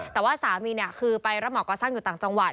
แต่ว่าสามีคือไปรับเหมาก่อสร้างอยู่ต่างจังหวัด